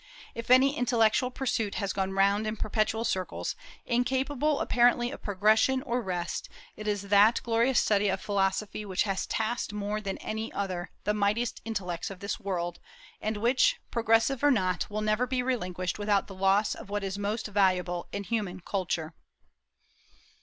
If any intellectual pursuit has gone round in perpetual circles, incapable apparently of progression or rest, it is that glorious study of philosophy which has tasked more than any other the mightiest intellects of this world, and which, progressive or not, will never be relinquished without the loss of what is most valuable in human culture.